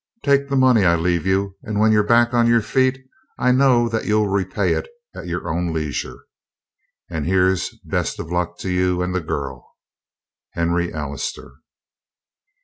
Take the money I leave you, and, when you're back on your feet, I know that you'll repay it at your own leisure. And here's best luck to you and the girl. HENRY ALLISTER.